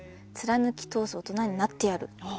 貫き通す大人になってやる」。